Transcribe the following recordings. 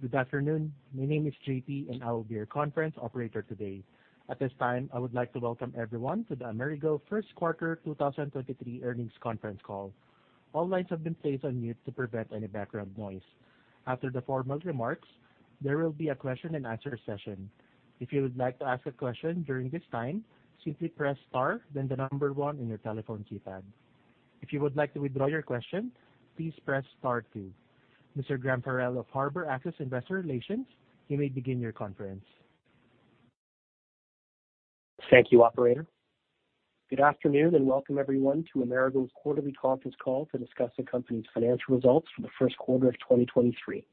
Good afternoon. My name is JP. I will be your conference Operator today. At this time, I would like to welcome everyone to the Amerigo first quarter 2023 earnings conference call. All lines have been placed on mute to prevent any background noise. After the formal remarks, there will be a question-and-answer session. If you would like to ask a question during this time, simply press star then the number one in your telephone keypad. If you would like to withdraw your question, please press star two. Mr. Graham Farrell of Harbor Access Investor Relations, you may begin your conference. Thank you, Operator. Good afternoon, welcome everyone to Amerigo's quarterly conference call to discuss the company's financial results for the first quarter of 2023.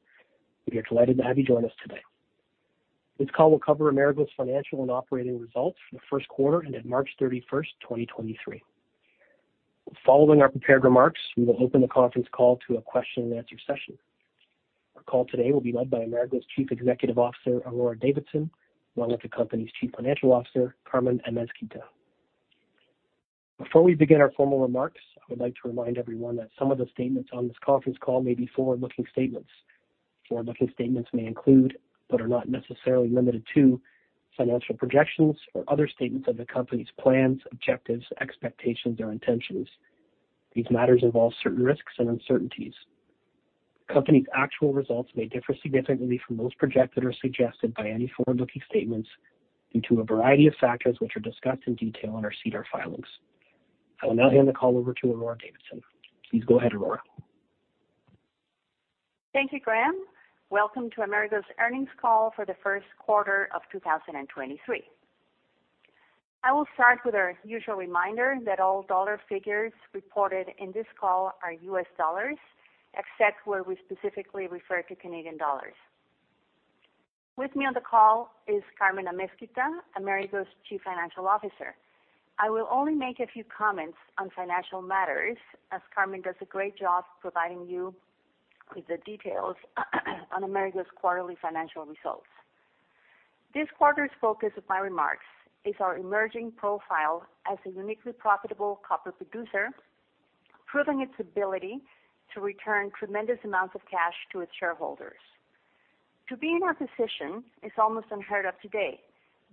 We are delighted to have you join us today. This call will cover Amerigo's financial and operating results for the first quarter and at March 31, 2023. Following our prepared remarks, we will open the conference call to a question-and-answer session. Our call today will be led by Amerigo's Chief Executive Officer, Aurora Davidson, along with the company's Chief Financial Officer, Carmen Amezquita. Before we begin our formal remarks, I would like to remind everyone that some of the statements on this conference call may be forward-looking statements. Forward-looking statements may include, but are not necessarily limited to, financial projections or other statements of the company's plans, objectives, expectations, or intentions. These matters involve certain risks and uncertainties. The company's actual results may differ significantly from those projected or suggested by any forward-looking statements due to a variety of factors, which are discussed in detail in our SEDAR filings. I will now hand the call over to Aurora Davidson. Please go ahead, Aurora. Thank you, Graham. Welcome to Amerigo's earnings call for the first quarter of 2023. I will start with our usual reminder that all dollar figures reported in this call are US dollars, except where we specifically refer to Canadian dollars. With me on the call is Carmen Amezquita, Amerigo's Chief Financial Officer. I will only make a few comments on financial matters as Carmen does a great job providing you with the details on Amerigo's quarterly financial results. This quarter's focus of my remarks is our emerging profile as a uniquely profitable copper producer, proving its ability to return tremendous amounts of cash to its shareholders. To be in our position is almost unheard of today,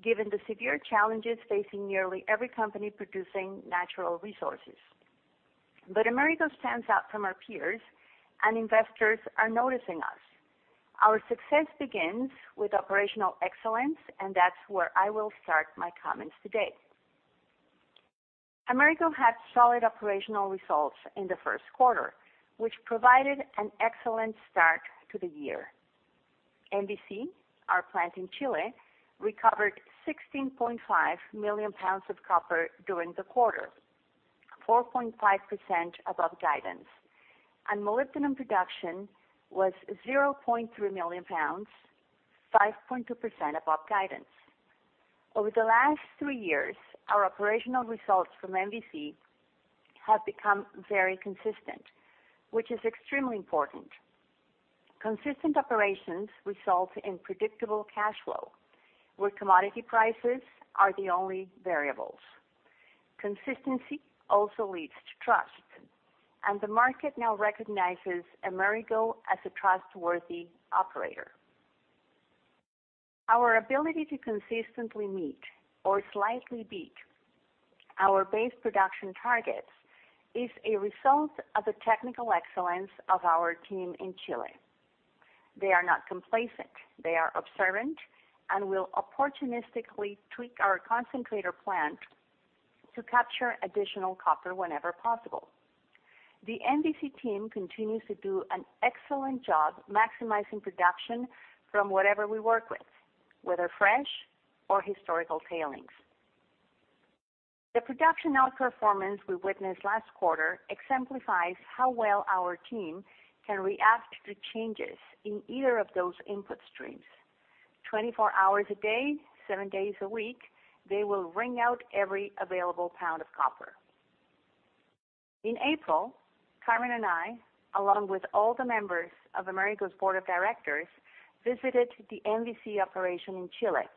given the severe challenges facing nearly every company producing natural resources. Amerigo stands out from our peers, and investors are noticing us. Our success begins with operational excellence. That's where I will start my comments today. Amerigo had solid operational results in the first quarter, which provided an excellent start to the year. MVC, our plant in Chile, recovered 16.5 million pounds of copper during the quarter, 4.5% above guidance. Molybdenum production was 0.3 million pounds, 5.2% above guidance. Over the last three years, our operational results from MVC have become very consistent, which is extremely important. Consistent operations result in predictable cash flow, where commodity prices are the only variables. Consistency also leads to trust. The market now recognizes Amerigo as a trustworthy operator. Our ability to consistently meet or slightly beat our base production targets is a result of the technical excellence of our team in Chile. They are not complacent. They are observant and will opportunistically tweak our concentrator plant to capture additional copper whenever possible. The MVC team continues to do an excellent job maximizing production from whatever we work with, whether fresh or historical tailings. The production outperformance we witnessed last quarter exemplifies how well our team can react to changes in either of those input streams. 24 hours a day, seven days a week, they will wring out every available pound of copper. In April, Carmen and I, along with all the members of Amerigo's board of directors, visited the MVC operation in Chile.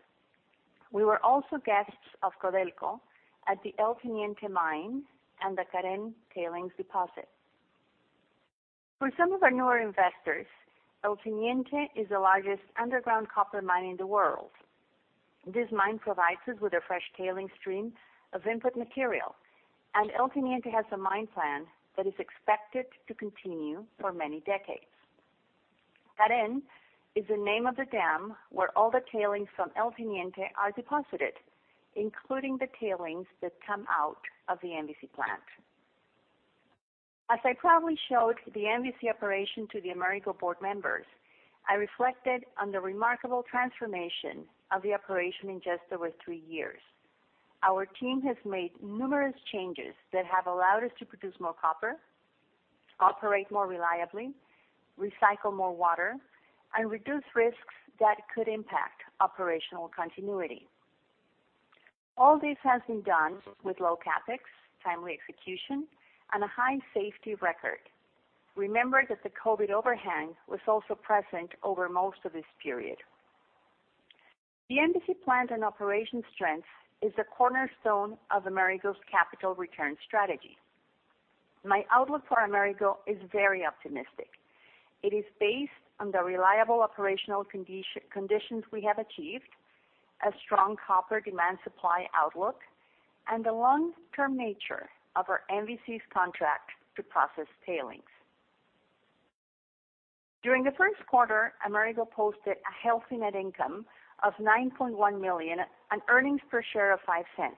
We were also guests of Codelco at the El Teniente mine and the Caren tailings deposit. For some of our newer investors, El Teniente is the largest underground copper mine in the world. This mine provides us with a fresh tailing stream of input material, and El Teniente has a mine plan that is expected to continue for many decades. Caren is the name of the dam where all the tailings from El Teniente are deposited, including the tailings that come out of the MVC plant. As I proudly showed the MVC operation to the Amerigo board members, I reflected on the remarkable transformation of the operation in just over three years. Our team has made numerous changes that have allowed us to produce more copper, operate more reliably, recycle more water, and reduce risks that could impact operational continuity. All this has been done with low CapEx, timely execution, and a high safety record. Remember that the COVID overhang was also present over most of this period. The MVC plant and operation strength is a cornerstone of Amerigo's capital return strategy. My outlook for Amerigo is very optimistic. It is based on the reliable operational conditions we have achieved, a strong copper demand supply outlook, and the long-term nature of our MVC's contract to process tailings. During the first quarter, Amerigo posted a healthy net income of $9.1 million and earnings per share of $0.05.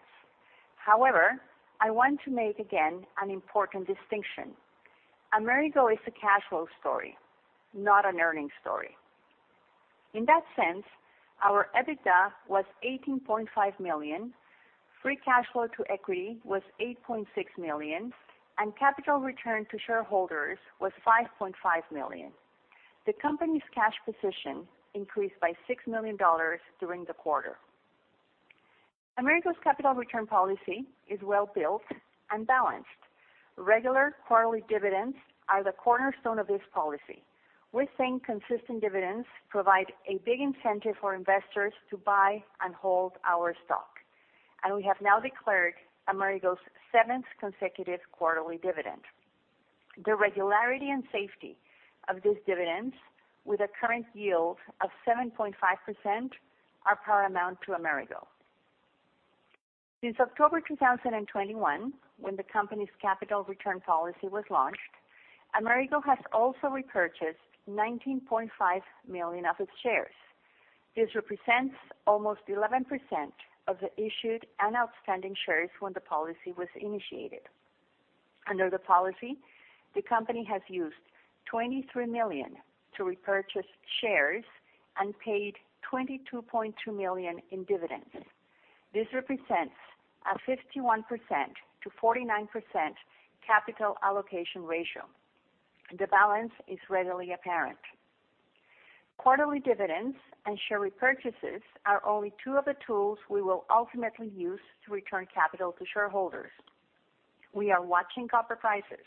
I want to make again an important distinction. Amerigo is a cash flow story, not an earnings story. In that sense, our EBITDA was $18.5 million, free cash flow to equity was $8.6 million, and capital return to shareholders was $5.5 million. The company's cash position increased by $6 million during the quarter. Amerigo's capital return policy is well built and balanced. Regular quarterly dividends are the cornerstone of this policy. We think consistent dividends provide a big incentive for investors to buy and hold our stock. We have now declared Amerigo's 7th consecutive quarterly dividend. The regularity and safety of these dividends with a current yield of 7.5% are paramount to Amerigo. Since October 2021, when the company's capital return policy was launched, Amerigo has also repurchased $19.5 million of its shares. This represents almost 11% of the issued and outstanding shares when the policy was initiated. Under the policy, the company has used $23 million to repurchase shares and paid $22.2 million in dividends. This represents a 51%-49% capital allocation ratio. The balance is readily apparent. Quarterly dividends and share repurchases are only two of the tools we will ultimately use to return capital to shareholders. We are watching copper prices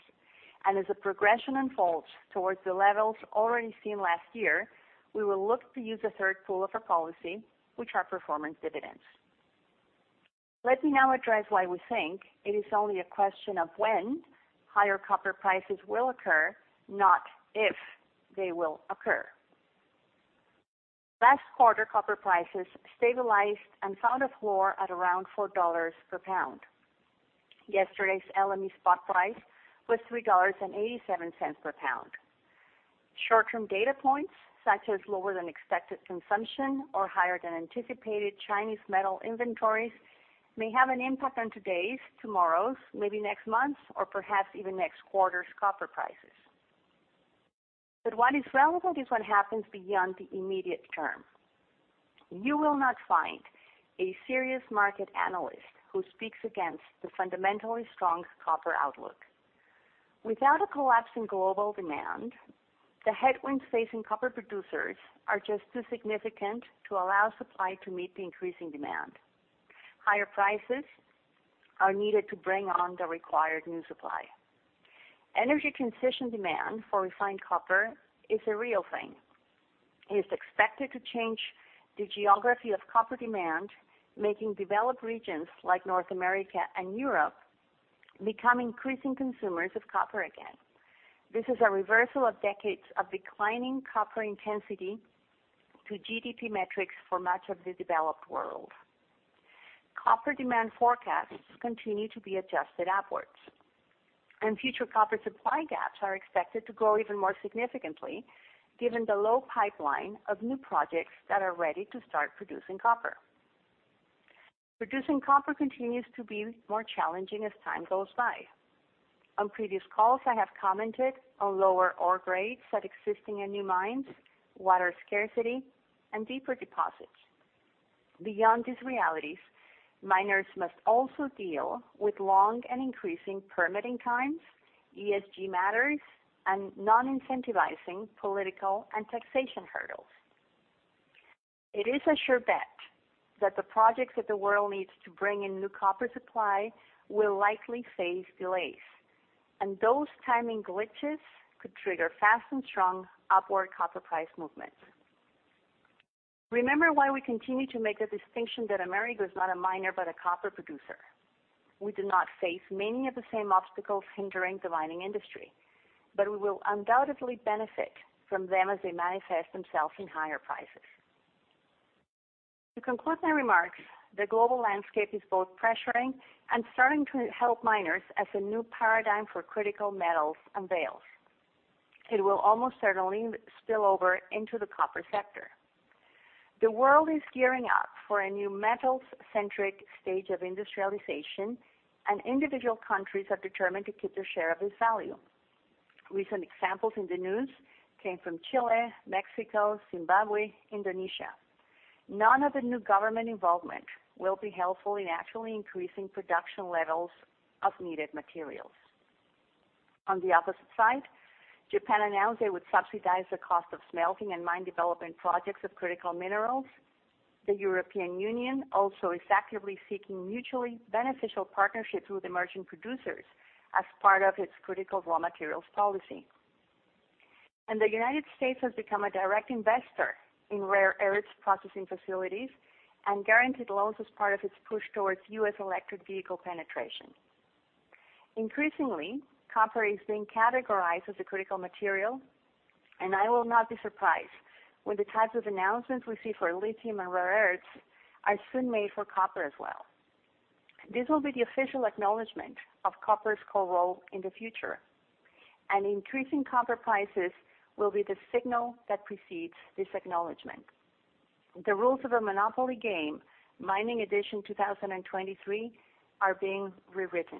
and as the progression unfolds towards the levels already seen last year, we will look to use a third pool of our policy, which are performance dividends. Let me now address why we think it is only a question of when higher copper prices will occur, not if they will occur. Last quarter, copper prices stabilized and found a floor at around $4 per pound. Yesterday's LME spot price was $3.87 per pound. Short-term data points, such as lower than expected consumption or higher than anticipated Chinese metal inventories, may have an impact on today's, tomorrow's, maybe next month's, or perhaps even next quarter's copper prices. What is relevant is what happens beyond the immediate term. You will not find a serious market analyst who speaks against the fundamentally strong copper outlook. Without a collapse in global demand, the headwinds facing copper producers are just too significant to allow supply to meet the increasing demand. Higher prices are needed to bring on the required new supply. Energy transition demand for refined copper is a real thing. It is expected to change the geography of copper demand, making developed regions like North America and Europe become increasing consumers of copper again. This is a reversal of decades of declining copper intensity to GDP metrics for much of the developed world. Copper demand forecasts continue to be adjusted upwards, and future copper supply gaps are expected to grow even more significantly given the low pipeline of new projects that are ready to start producing copper. Producing copper continues to be more challenging as time goes by. On previous calls, I have commented on lower ore grades at existing and new mines, water scarcity, and deeper deposits. Beyond these realities, miners must also deal with long and increasing permitting times, ESG matters, and non-incentivizing political and taxation hurdles. It is a sure bet that the projects that the world needs to bring in new copper supply will likely face delays, and those timing glitches could trigger fast and strong upward copper price movements. Remember why we continue to make the distinction that Amerigo is not a miner but a copper producer. We do not face many of the same obstacles hindering the mining industry, but we will undoubtedly benefit from them as they manifest themselves in higher prices. To conclude my remarks, the global landscape is both pressuring and starting to help miners as a new paradigm for critical metals unveils. It will almost certainly spill over into the copper sector. The world is gearing up for a new metals-centric stage of industrialization and individual countries are determined to keep their share of this value. Recent examples in the news came from Chile, Mexico, Zimbabwe, Indonesia. None of the new government involvement will be helpful in actually increasing production levels of needed materials. On the opposite side, Japan announced they would subsidize the cost of smelting and mine development projects of critical minerals. The European Union also is actively seeking mutually beneficial partnerships with emerging producers as part of its critical raw materials policy. The U.S. has become a direct investor in rare earths processing facilities and guaranteed loans as part of its push towards U.S. electric vehicle penetration. Increasingly, copper is being categorized as a critical material, and I will not be surprised when the types of announcements we see for lithium and rare earths are soon made for copper as well. This will be the official acknowledgment of copper's core role in the future, and increasing copper prices will be the signal that precedes this acknowledgment. The rules of the Monopoly game, mining edition 2023, are being rewritten.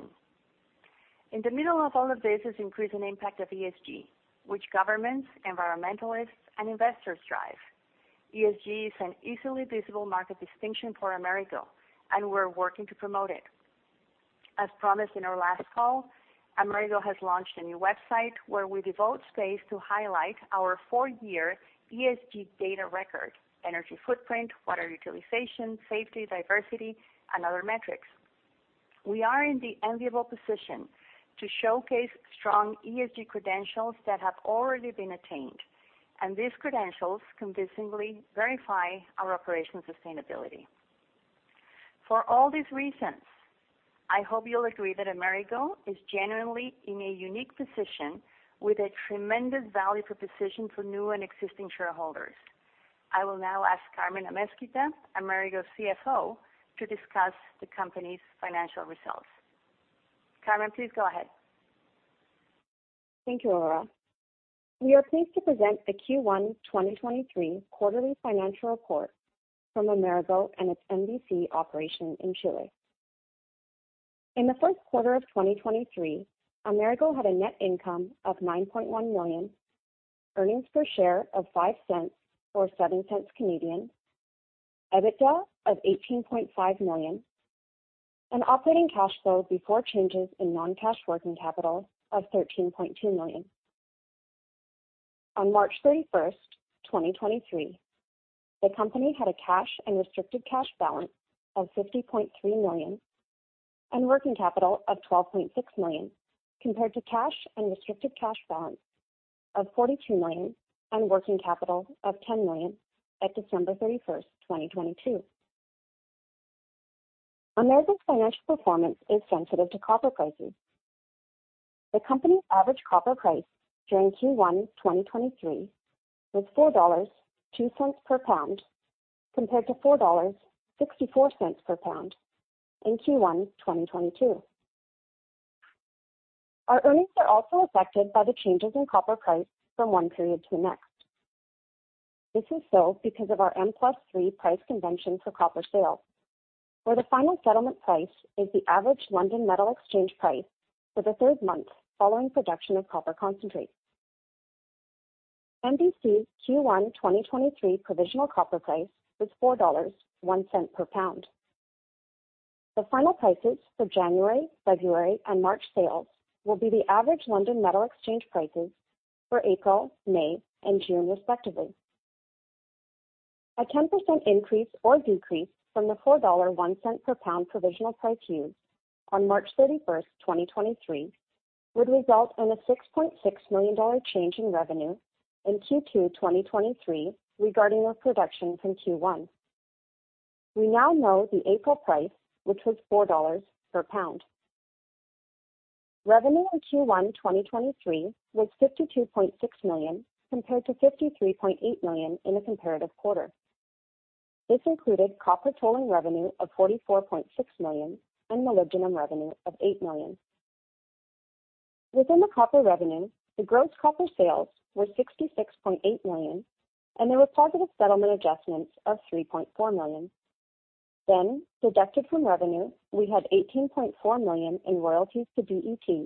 In the middle of all of this is increasing impact of ESG, which governments, environmentalists, and investors drive. ESG is an easily visible market distinction for Amerigo, and we're working to promote it. As promised in our last call, Amerigo has launched a new website where we devote space to highlight our four-year ESG data record, energy footprint, water utilization, safety, diversity, and other metrics. We are in the enviable position to showcase strong ESG credentials that have already been attained. These credentials convincingly verify our operation sustainability. For all these reasons, I hope you'll agree that Amerigo is genuinely in a unique position with a tremendous value proposition for new and existing shareholders. I will now ask Carmen Amezquita, Amerigo's CFO, to discuss the company's financial results. Carmen, please go ahead. Thank you, Aurora. We are pleased to present the Q1 2023 quarterly financial report from Amerigo and its MVC operation in Chile. In the first quarter of 2023, Amerigo had a net income of $9.1 million, earnings per share of $0.05 or 0.07, EBITDA of $18.5 million, and operating cash flow before changes in non-cash working capital of $13.2 million. On March 31, 2023, the company had a cash and restricted cash balance of $50.3 million and working capital of $12.6 million, compared to cash and restricted cash balance of $42 million and working capital of $10 million at December 31, 2022. Amerigo's financial performance is sensitive to copper prices. The company's average copper price during Q1 2023 was $4.02 per pound, compared to $4.64 per pound in Q1 2022. Our earnings are also affected by the changes in copper price from one period to the next. This is so because of our M+3 price convention for copper sales, where the final settlement price is the average London Metal Exchange price for the third month following production of copper concentrate. MVC's Q1 2023 provisional copper price was $4.01 per pound. The final prices for January, February, and March sales will be the average London Metal Exchange prices for April, May, and June, respectively. A 10% increase or decrease from the $4.01 per pound provisional price used on March 31, 2023, would result in a $6.6 million change in revenue in Q2 2023 regarding the production from Q1. We now know the April price, which was $4 per pound. Revenue in Q1 2023 was $52.6 million, compared to $53.8 million in the comparative quarter. This included copper tolling revenue of $44.6 million and molybdenum revenue of $8 million. Within the copper revenue, the gross copper sales were $66.8 million, and there was positive settlement adjustments of $3.4 million. Deducted from revenue, we had $18.4 million in royalties to DET,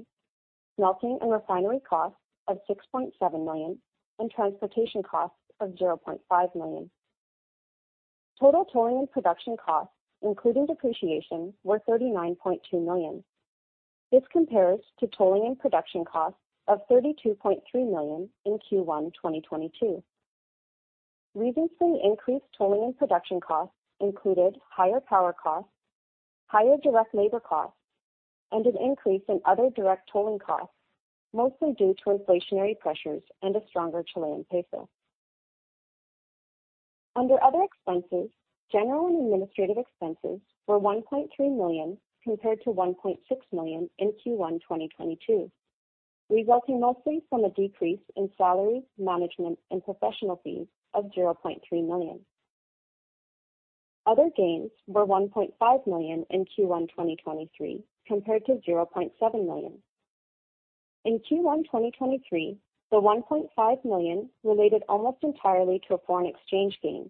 smelting and refinery costs of $6.7 million, and transportation costs of $0.5 million. Total tolling and production costs, including depreciation, were $39.2 million. This compares to tolling and production costs of $32.3 million in Q1 2022. Reasons for the increased tolling and production costs included higher power costs, higher direct labor costs, and an increase in other direct tolling costs, mostly due to inflationary pressures and a stronger Chilean peso. Under other expenses, general and administrative expenses were $1.3 million, compared to $1.6 million in Q1 2022, resulting mostly from a decrease in salaries, management, and professional fees of $0.3 million. Other gains were $1.5 million in Q1 2023 compared to $0.7 million. In Q1 2023, the $1.5 million related almost entirely to a foreign exchange gain.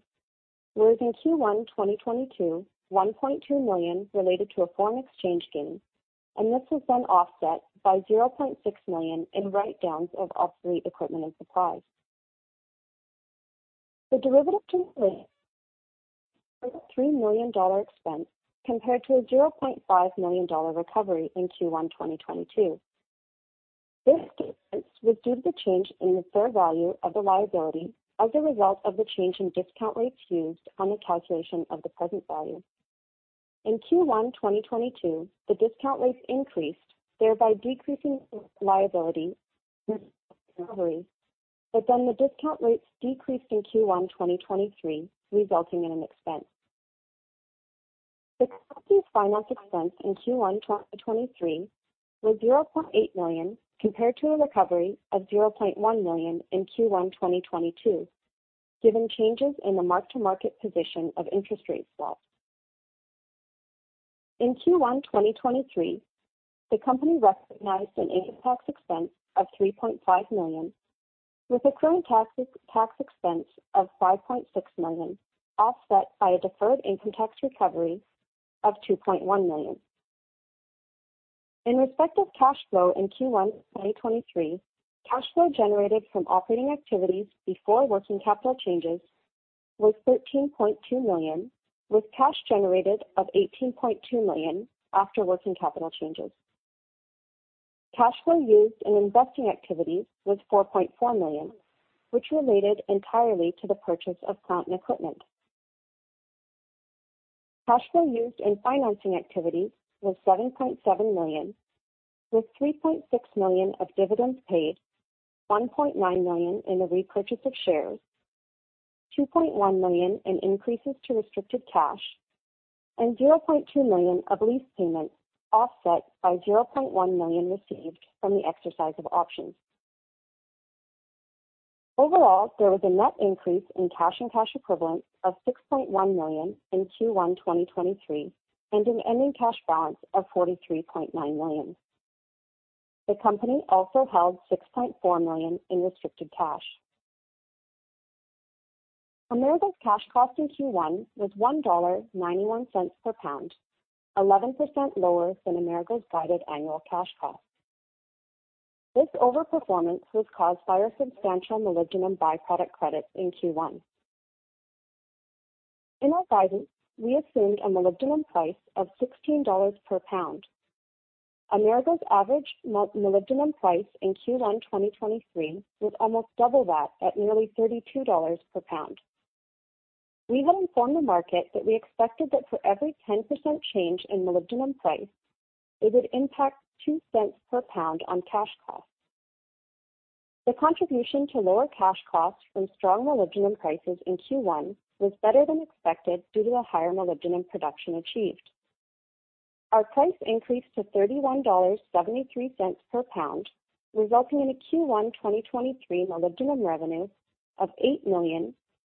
In Q1 2022, $1.2 million related to a foreign exchange gain, and this was then offset by $0.6 million in write-downs of obsolete equipment and supplies. The derivative $3 million expense compared to a $0.5 million recovery in Q1 2022. This was due to the change in the fair value of the liability as a result of the change in discount rates used on the calculation of the present value. In Q1 2022, the discount rates increased, thereby decreasing liability recovery. The discount rates decreased in Q1 2023, resulting in an expense. The company's finance expense in Q1 2023 was $0.8 million, compared to a recovery of $0.1 million in Q1 2022, given changes in the mark-to-market position of interest rate swaps. In Q1 2023, the company recognized an income tax expense of $3.5 million, with a current tax expense of $5.6 million, offset by a deferred income tax recovery of $2.1 million. In respect of cash flow in Q1 2023, cash flow generated from operating activities before working capital changes was $13.2 million, with cash generated of $18.2 million after working capital changes. Cash flow used in investing activities was $4.4 million, which related entirely to the purchase of plant and equipment. Cash flow used in financing activities was $7.7 million, with $3.6 million of dividends paid, $1.9 million in the repurchase of shares, $2.1 million in increases to restricted cash, and $0.2 million of lease payments, offset by $0.1 million received from the exercise of options. Overall, there was a net increase in cash and cash equivalents of $6.1 million in Q1 2023 and an ending cash balance of $43.9 million. The company also held $6.4 million in restricted cash. Amerigo's cash cost in Q1 was $1.91 per pound, 11% lower than Amerigo's guided annual cash cost. This overperformance was caused by our substantial molybdenum byproduct credits in Q1. In our guidance, we assumed a molybdenum price of $16 per pound. Amerigo's average molybdenum price in Q1 2023 was almost double that at nearly $32 per pound. We had informed the market that we expected that for every 10% change in molybdenum price, it would impact $0.02 per pound on cash costs. The contribution to lower cash costs from strong molybdenum prices in Q1 was better than expected due to the higher molybdenum production achieved. Our price increased to $31.73 per pound, resulting in a Q1 2023 molybdenum revenue of $8 million,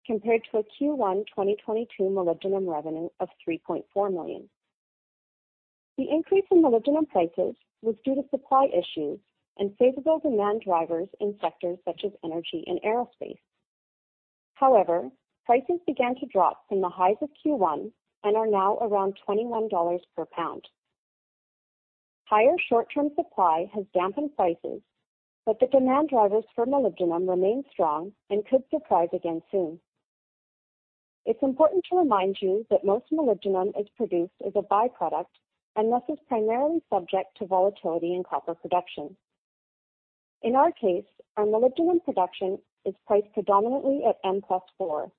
compared to a Q1 2022 molybdenum revenue of $3.4 million. The increase in molybdenum prices was due to supply issues and favorable demand drivers in sectors such as energy and aerospace. Prices began to drop from the highs of Q1 and are now around $21 per pound. Higher short-term supply has dampened prices, but the demand drivers for molybdenum remain strong and could surprise again soon. It's important to remind you that most molybdenum is produced as a byproduct and thus is primarily subject to volatility in copper production. In our case, our molybdenum production is priced predominantly at M+4.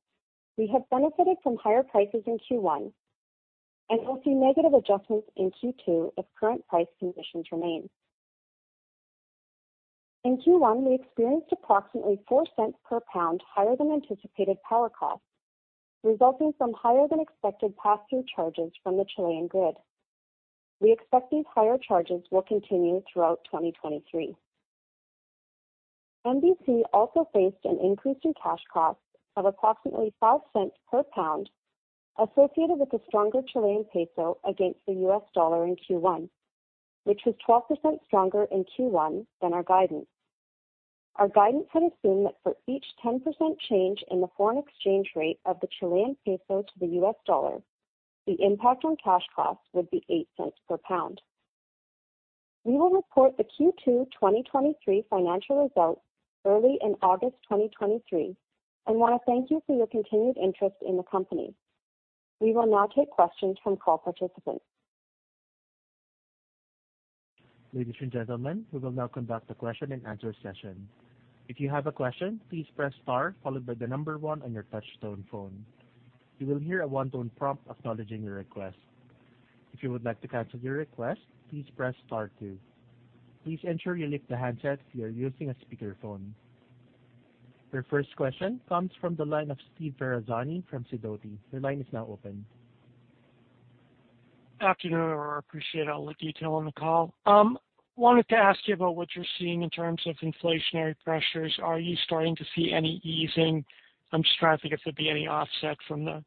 We have benefited from higher prices in Q1, and we'll see negative adjustments in Q2 if current price conditions remain. In Q1, we experienced approximately $0.04 per pound higher than anticipated power costs, resulting from higher-than-expected pass-through charges from the Chilean grid. We expect these higher charges will continue throughout 2023. MVC also faced an increase in cash costs of approximately $0.05 per pound associated with the stronger Chilean peso against the US dollar in Q1, which was 12% stronger in Q1 than our guidance. Our guidance had assumed that for each 10% change in the foreign exchange rate of the Chilean peso to the US dollar, the impact on cash costs would be $0.08 per pound. We will report the Q2 2023 financial results early in August 2023 and want to thank you for your continued interest in the company. We will now take questions from call participants. Ladies and gentlemen, we will now conduct a question-and-answer session. If you have a question, please press star followed by the one on your touch-tone phone. You will hear a one-tone prompt acknowledging your request. If you would like to cancel your request, please press star two. Please ensure you lift the handset if you are using a speakerphone. Your first question comes from the line of Steve Ferazani from Sidoti. Your line is now open. Afternoon, Aurora. Appreciate all the detail on the call. Wanted to ask you about what you're seeing in terms of inflationary pressures. Are you starting to see any easing? I'm just trying to think if there'd be any offset from the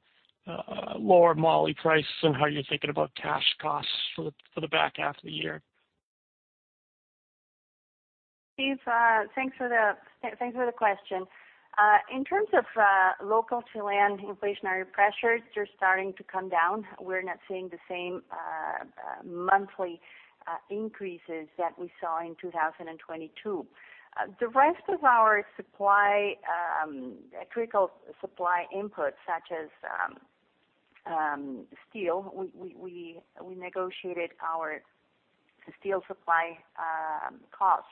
lower moly prices and how you're thinking about cash costs for the back half of the year. Steve, thanks for the question. In terms of local Chilean inflationary pressures, they're starting to come down. We're not seeing the same monthly increases that we saw in 2022. The rest of our supply, critical supply inputs such as steel, we negotiated our the steel supply costs.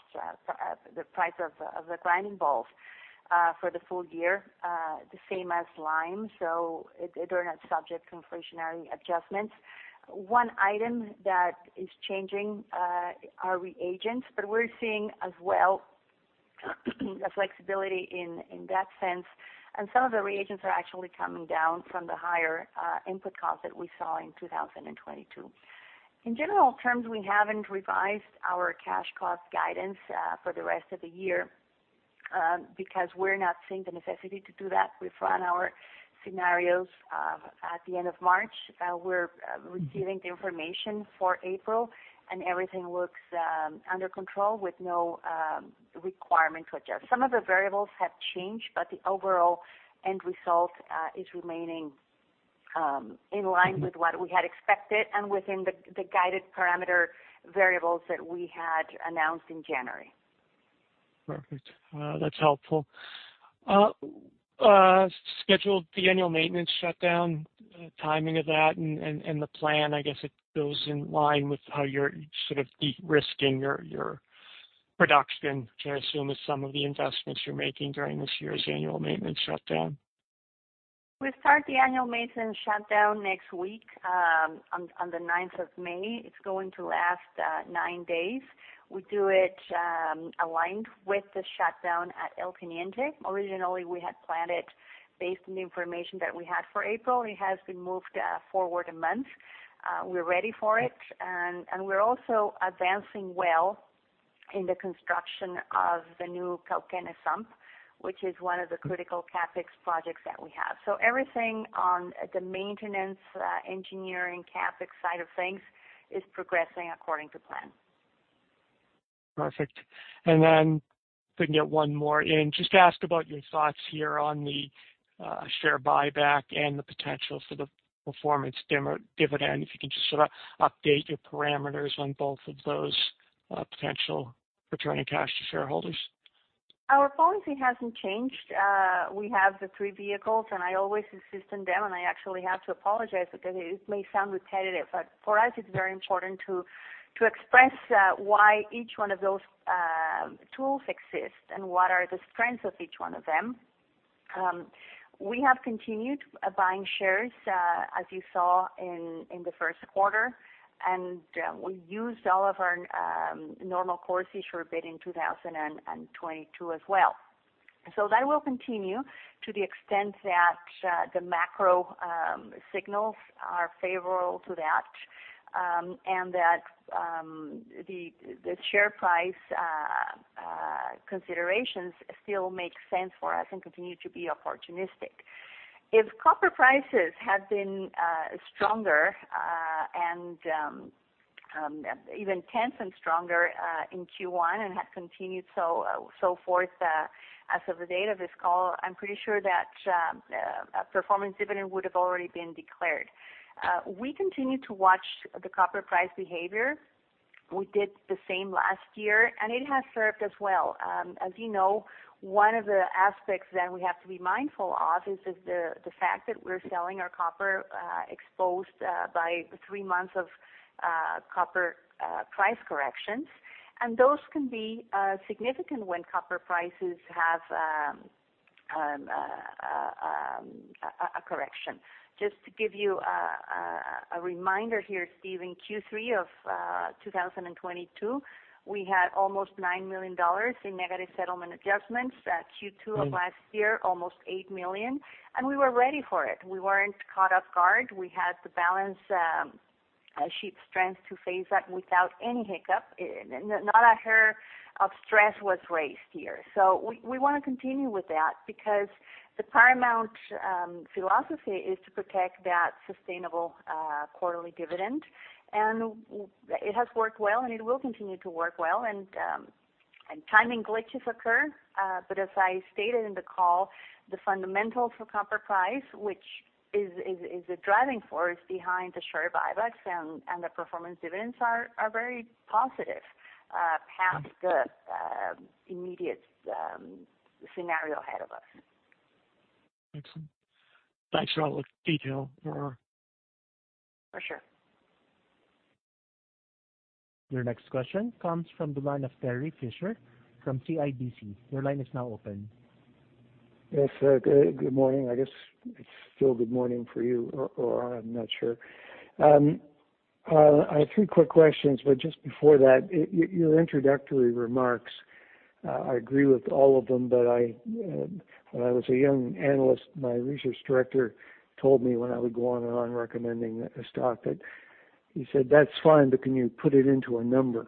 The price of the grinding balls for the full year, the same as lime, they're not subject to inflationary adjustments. One item that is changing are reagents, but we're seeing as well the flexibility in that sense. Some of the reagents are actually coming down from the higher input costs that we saw in 2022. In general terms, we haven't revised our cash cost guidance for the rest of the year because we're not seeing the necessity to do that. We've run our scenarios at the end of March. We're receiving the information for April, and everything looks under control with no requirement to adjust. Some of the variables have changed, but the overall end result is remaining in line with what we had expected and within the guided parameter variables that we had announced in January. Perfect. That's helpful. scheduled the annual maintenance shutdown, timing of that and the plan, I guess it goes in line with how you're sort of de-risking your production, can I assume is some of the investments you're making during this year's annual maintenance shutdown? We start the annual maintenance shutdown next week, on the ninth of May. It's going to last nine days. We do it aligned with the shutdown at El Teniente. Originally, we had planned it based on the information that we had for April. It has been moved forward a month. We're ready for it. We're also advancing well in the construction of the new Cauquenes sump, which is one of the critical CapEx projects that we have. Everything on the maintenance, engineering CapEx side of things is progressing according to plan. Perfect. Can get one more in. Just ask about your thoughts here on the share buyback and the potential for the performance dividend. If you can just sort of update your parameters on both of those, potential returning cash to shareholders. Our policy hasn't changed. We have the three vehicles, and I always insist on them, and I actually have to apologize because it may sound repetitive, but for us, it's very important to express why each one of those tools exist and what are the strengths of each one of them. We have continued buying shares, as you saw in the first quarter, and we used all of our Normal Course Issuer Bid in 2022 as well. That will continue to the extent that the macro signals are favorable to that, and that the share price considerations still make sense for us, and continue to be opportunistic. If copper prices had been stronger, and even tense and stronger, in Q1 and had continued so forth, as of the date of this call, I'm pretty sure that a performance dividend would have already been declared. We continue to watch the copper price behavior. We did the same last year, and it has served us well. As you know, one of the aspects that we have to be mindful of is the fact that we're selling our copper exposed by three months of copper price corrections. Those can be significant when copper prices have a correction. Just to give you a reminder here, Steve, in Q3 of 2022, we had almost $9 million in negative settlement adjustments. Q2 of last year, almost $8 million. We were ready for it. We weren't caught off guard. We had the balance sheet strength to face that without any hiccup. Not a hair of stress was raised here. We wanna continue with that because the paramount philosophy is to protect that sustainable quarterly dividend. It has worked well, and it will continue to work well. Timing glitches occur. As I stated in the call, the fundamentals for copper price, which is a driving force behind the share buybacks and the performance dividends, are very positive past the immediate scenario ahead of us. Excellent. Thanks for all the detail. For sure. Your next question comes from the line of Terry Fisher from CIBC. Your line is now open. Yes, good morning. I guess it's still good morning for you, or I'm not sure. I have three quick questions. Just before that, your introductory remarks, I agree with all of them, but I, when I was a young analyst, my research director told me when I would go on and on recommending a stock that, he said, "That's fine, but can you put it into a number?"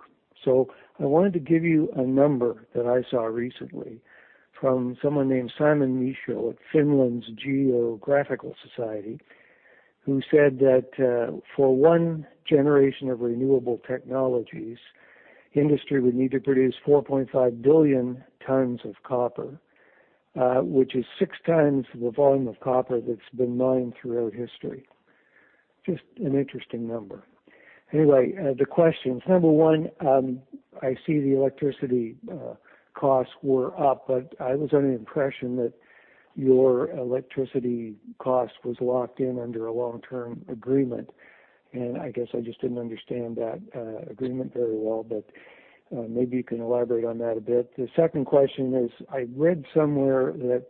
I wanted to give you a number that I saw recently from someone named Simon Michaux at Geological Survey of Finland, who said that, for one generation of renewable technologies, industry would need to produce 4.5 billion tons of copper, which is 6x the volume of copper that's been mined throughout history. Just an interesting number. Anyway, the questions. Number one, I see the electricity costs were up, but I was under the impression that your electricity cost was locked in under a long-term agreement, and I guess I just didn't understand that agreement very well. Maybe you can elaborate on that a bit. The second question is, I read somewhere that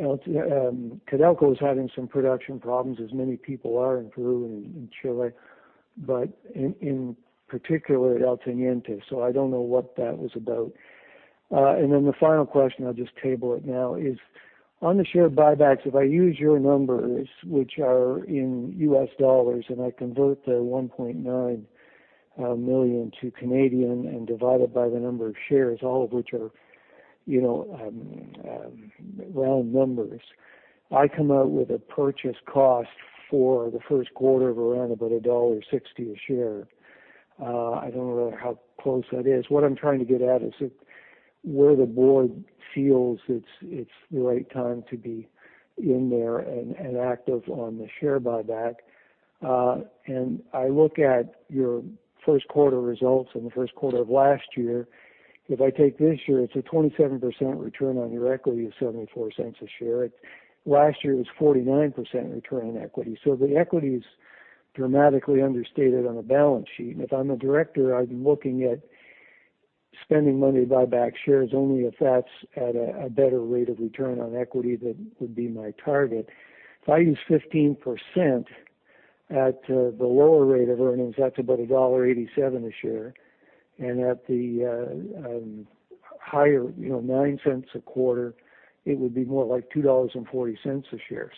Codelco is having some production problems, as many people are in Peru and Chile, but in particular, El Teniente, so I don't know what that was about. The final question, I'll just table it now, is on the share buybacks. If I use your numbers, which are in US dollars, and I convert the $1.9 million to Canadian and divide it by the number of shares, all of which are, you know, round numbers, I come out with a purchase cost for the first quarter of around about dollar 1.60 a share. I don't know how close that is. What I'm trying to get at is if where the board feels it's the right time to be in there and active on the share buyback. And I look at your first quarter results and the first quarter of last year. If I take this year, it's a 27% return on your equity of 0.74 a share. Last year, it was 49% return on equity. The equity is dramatically understated on the balance sheet. If I'm a director, I'd be looking at spending money to buy back shares only if that's at a better rate of return on equity that would be my target. If I use 15% at the lower rate of earnings, that's about $1.87 a share. At the higher, you know, $0.09 a quarter, it would be more like $2.40 a share.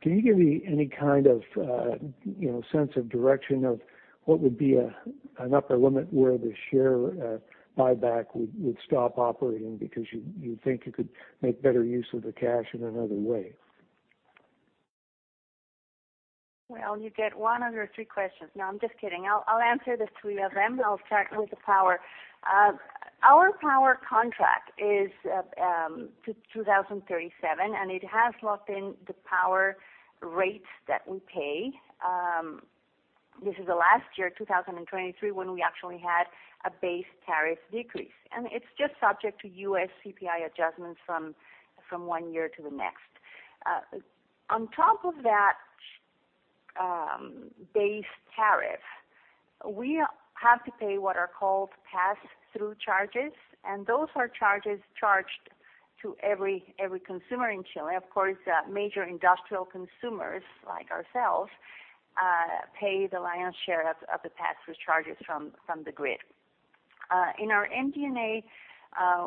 Can you give me any kind of, you know, sense of direction of what would be an upper limit where the share buyback would stop operating because you think you could make better use of the cash in another way? Well, you get one under three questions. No, I'm just kidding. I'll answer the three of them. I'll start with the power. Our power contract is to 2037. It has locked in the power rates that we pay. This is the last year, 2023, when we actually had a base tariff decrease. It's just subject to US CPI adjustments from one year to the next. On top of that base tariff, we have to pay what are called pass-through charges. Those are charges charged to every consumer in Chile. Of course, major industrial consumers like ourselves pay the lion's share of the pass-through charges from the grid. In our MD&A,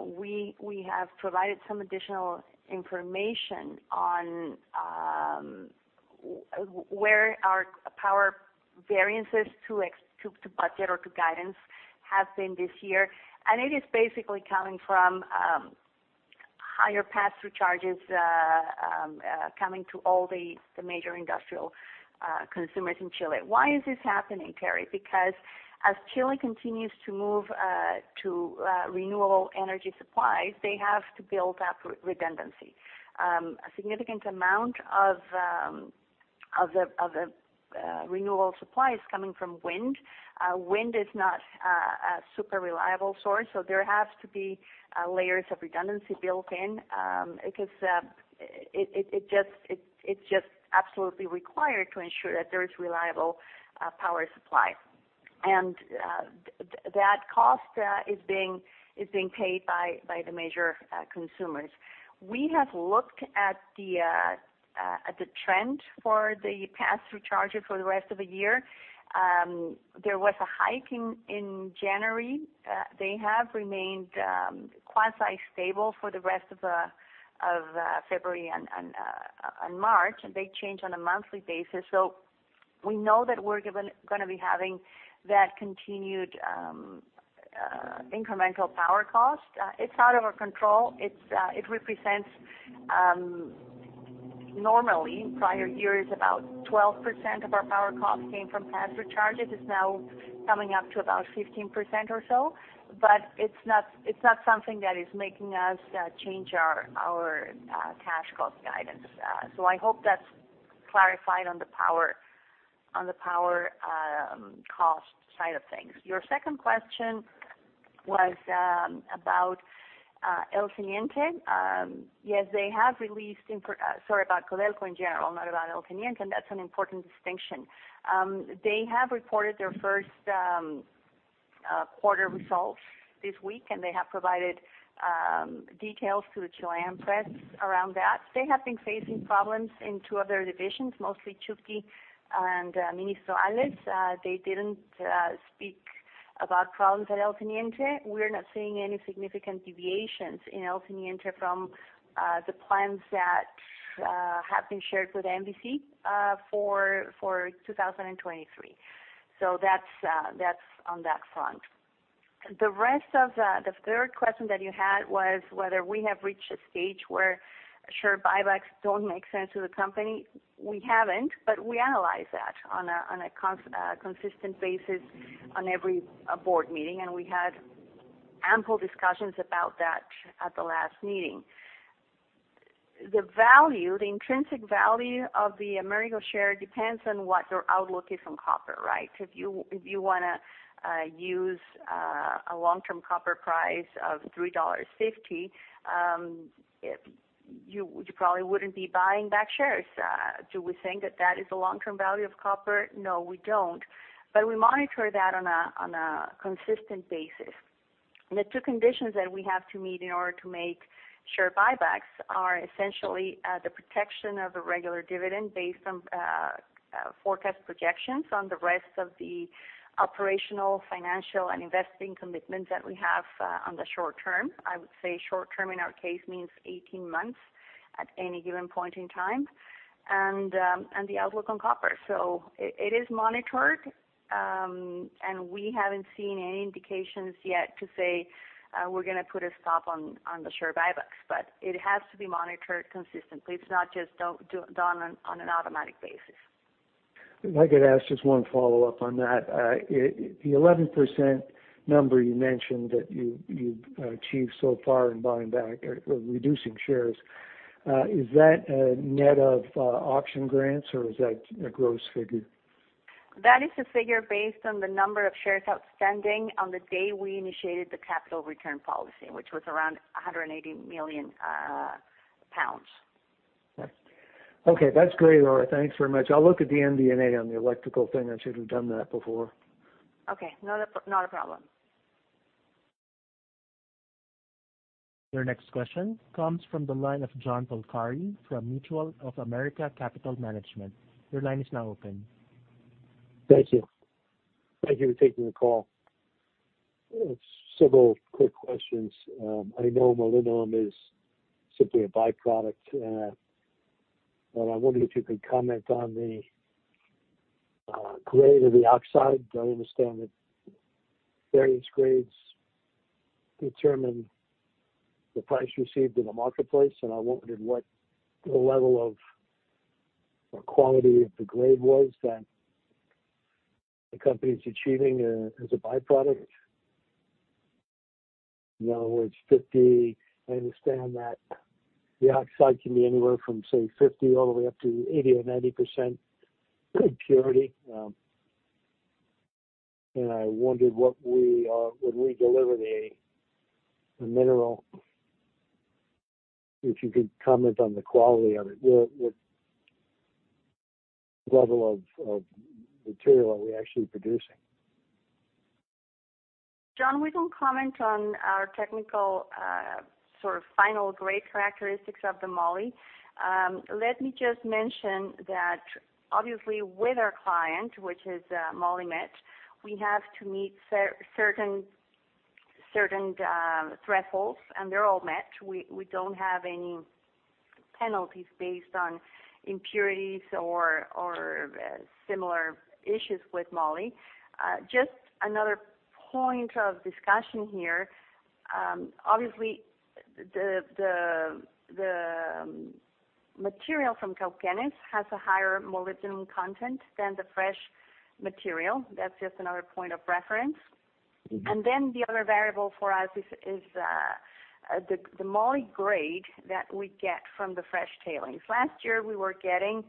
we have provided some additional information on where our power variances to budget or to guidance have been this year. It is basically coming from higher pass-through charges coming to all the major industrial consumers in Chile. Why is this happening, Terry? Because as Chile continues to move to renewable energy supplies, they have to build up redundancy. A significant amount of the renewable supply is coming from wind. Wind is not a super reliable source. There has to be layers of redundancy built in because it's just absolutely required to ensure that there is reliable power supply. That cost is being paid by the major consumers. We have looked at the trend for the pass-through charger for the rest of the year. There was a hike in January. They have remained quasi-stable for the rest of February and March. They change on a monthly basis. We know that we're gonna be having that continued incremental power cost. It's out of our control. It represents normally in prior years, about 12% of our power cost came from pass-through charges. It's now coming up to about 15% or so. It's not something that is making us change our cash cost guidance. I hope that's clarified on the power cost side of things. Your second question was about El Teniente. Yes, they have released sorry, about Codelco in general, not about El Teniente, that's an important distinction. They have reported their first quarter results this week, they have provided details to the Chilean press around that. They have been facing problems in two other divisions, mostly Chuqui and Ministro Hales. They didn't speak about problems at El Teniente. We're not seeing any significant deviations in El Teniente from the plans that have been shared with MVC for 2023. That's on that front. The rest of the third question that you had was whether we have reached a stage where share buybacks don't make sense to the company. We haven't, but we analyze that on a consistent basis on every board meeting. We had ample discussions about that at the last meeting. The value, the intrinsic value of the Amerigo share, depends on what your outlook is on copper, right? If you wanna use a long-term copper price of $3.50, you probably wouldn't be buying back shares. Do we think that that is the long-term value of copper? No, we don't. We monitor that on a consistent basis. The two conditions that we have to meet in order to make share buybacks are essentially the protection of a regular dividend based on forecast projections on the rest of the operational, financial, and investing commitments that we have on the short term. I would say short term in our case means 18 months at any given point in time, and the outlook on copper. It is monitored, and we haven't seen any indications yet to say, we're gonna put a stop on the share buybacks. It has to be monitored consistently. It's not just done on an automatic basis. If I could ask just one follow-up on that. The 11% number you mentioned that you've achieved so far in buying back or reducing shares, is that a net of option grants, or is that a gross figure? That is the figure based on the number of shares outstanding on the day we initiated the capital return policy, which was around 180 million pounds. Okay. That's great, Aurora. Thanks very much. I'll look at the MD&A on the electrical thing. I should have done that before. Okay. Not a problem. Your next question comes from the line of John Polcari from Mutual of America Capital Management. Your line is now open. Thank you. Thank you for taking the call. Several quick questions. I know molybdenum is simply a byproduct. But I wonder if you could comment on the grade of the oxide. I understand that various grades determine the price received in the marketplace, and I wondered what the level of or quality of the grade was that the company's achieving as a byproduct. In other words, I understand that the oxide can be anywhere from, say, 50 all the way up to 80 or 90% purity. I wondered what we, when we deliver the mineral, if you could comment on the quality of it. What, what level of material are we actually producing? John, we don't comment on our technical sort of final grade characteristics of the moly. Let me just mention that obviously with our client, which is Molymet, we have to meet certain thresholds, and they're all met. We don't have any penalties based on impurities or similar issues with moly. Just another point of discussion here. Obviously, the material from Cauquenes has a higher molybdenum content than the fresh material. That's just another point of reference. The other variable for us is the moly grade that we get from the fresh tailings. Last year, we were getting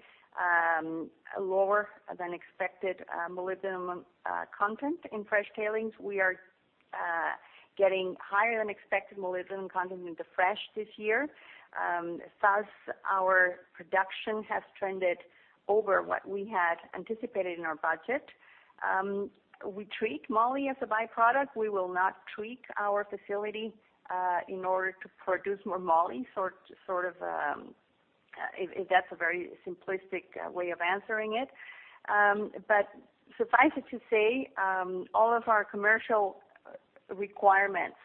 lower than expected molybdenum content in fresh tailings. We are getting higher than expected molybdenum content in the fresh this year. Thus, our production has trended over what we had anticipated in our budget. We treat moly as a byproduct. We will not tweak our facility in order to produce more moly, sort of, if that's a very simplistic way of answering it. Suffice it to say, all of our commercial requirements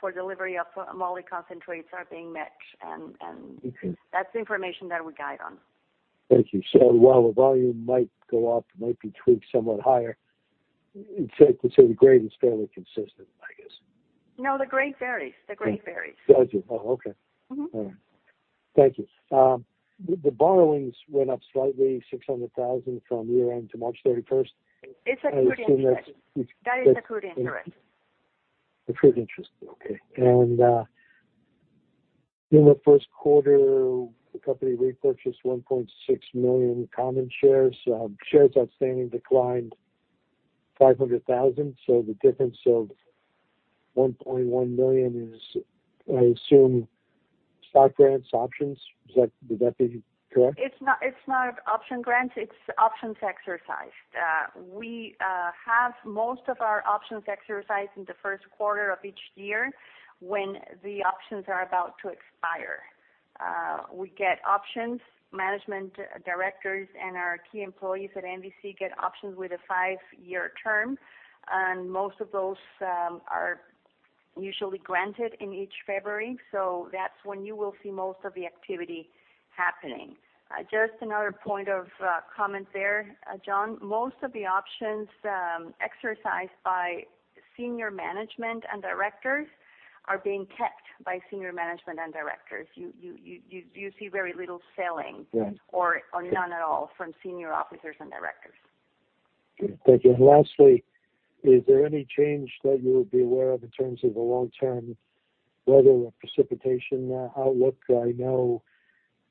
for delivery of molybdenum concentrates are being met and that's the information that we guide on. Thank you. While the volume might go up, it might be tweaked somewhat higher, it's safe to say the grade is fairly consistent, I guess. No, the grade varies. The grade varies. Does it? Oh, okay. Mm-hmm. All right. Thank you. The borrowings went up slightly, $600,000 from year-end to March 31st. It's accrued interest. I assume that's... That is accrued interest. Accrued interest. Okay. In the first quarter, the company repurchased 1.6 million common shares. Shares outstanding declined 500,000. The difference of 1.1 million is, I assume, stock grants, options. Is that, would that be correct? It's not option grants, it's options exercised. We have most of our options exercised in the first quarter of each year when the options are about to expire. We get options, management, directors, and our key employees at MVC get options with a five-year term, and most of those are usually granted in each February. That's when you will see most of the activity happening. Just another point of comment there, John. Most of the options exercised by senior management and directors are being kept by senior management and directors. You see very little selling- Yeah. None at all from senior officers and directors. Thank you. Lastly, is there any change that you would be aware of in terms of the long-term weather or precipitation outlook?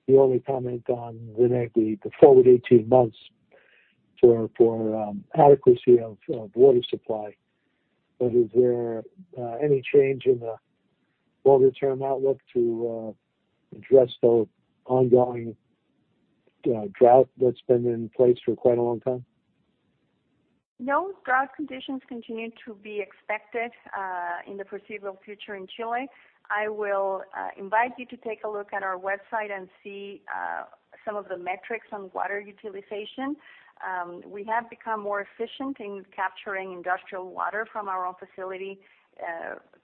I know you only comment on the forward 18 months for adequacy of water supply. Is there any change in the longer-term outlook to address the ongoing drought that's been in place for quite a long time? No. Drought conditions continue to be expected in the foreseeable future in Chile. I will invite you to take a look at our website and see some of the metrics on water utilization. We have become more efficient in capturing industrial water from our own facility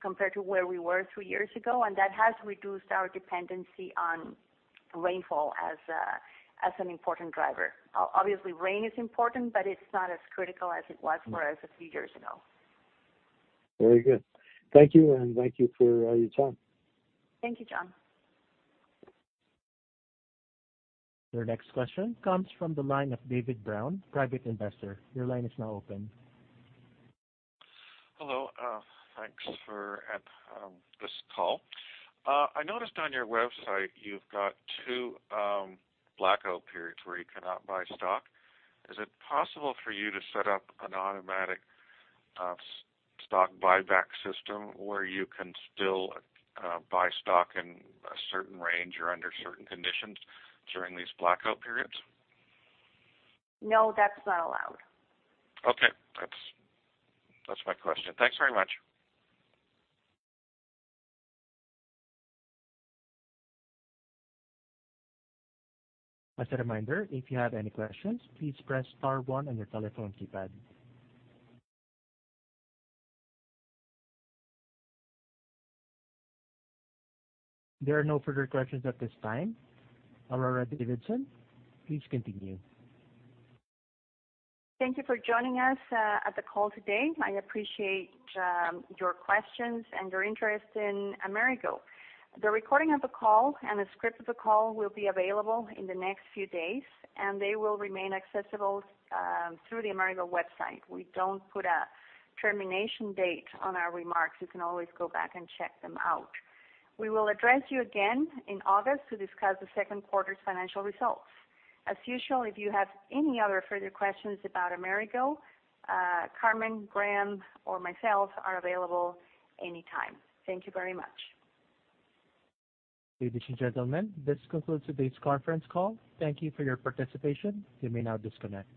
compared to where we were 3 years ago. That has reduced our dependency on rainfall as an important driver. Obviously, rain is important, but it's not as critical as it was for us a few years ago. Very good. Thank you, and thank you for your time. Thank you, John. Your next question comes from the line of David Brown, Private Investor. Your line is now open. Hello. Thanks for this call. I noticed on your website you've got two blackout periods where you cannot buy stock. Is it possible for you to set up an automatic stock buyback system where you can still buy stock in a certain range or under certain conditions during these blackout periods? No, that's not allowed. Okay. That's my question. Thanks very much. As a reminder, if you have any questions, please press star one on your telephone keypad. There are no further questions at this time. Aurora Davidson, please continue. Thank you for joining us at the call today. I appreciate your questions and your interest in Amerigo. The recording of the call and a script of the call will be available in the next few days, and they will remain accessible through the Amerigo website. We don't put a termination date on our remarks. You can always go back and check them out. We will address you again in August to discuss the second quarter's financial results. As usual, if you have any other further questions about Amerigo, Carmen, Graham, or myself are available anytime. Thank you very much. Ladies and gentlemen, this concludes today's conference call. Thank you for your participation. You may now disconnect.